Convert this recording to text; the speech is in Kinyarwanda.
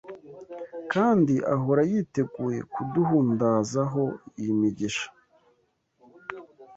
kandi ahora yiteguye kuduhundaza ho iyi migisha